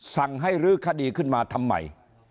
สั่งให้รื้อคดีขึ้นมาทำไม